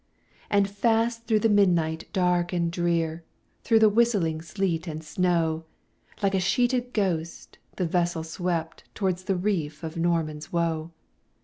And fast through the midnight dark and drear, Through the whistling sleet and snow, Like a sheeted ghost, the vessel swept Towards the reef of Norman's Woe.